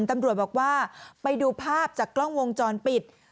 ตำรวจบอกว่าไปดูภาพจากกล้องวงจรปิด